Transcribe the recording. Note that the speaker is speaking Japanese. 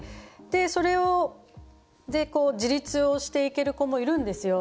それで自立をしていける子もいるんですよ。